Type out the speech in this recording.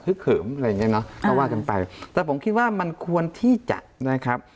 เขิมอะไรอย่างเงี้เนอะก็ว่ากันไปแต่ผมคิดว่ามันควรที่จะนะครับ